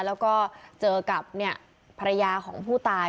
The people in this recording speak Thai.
แล้วก็เจอกับภรรยาของผู้ตาย